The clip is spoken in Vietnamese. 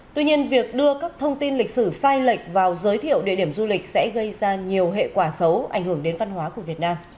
tuy nhiên việc đưa các thông tin lịch sử sai lệch vào giới thiệu địa điểm du lịch sẽ gây ra nhiều hệ quả xấu ảnh hưởng đến văn hóa của việt nam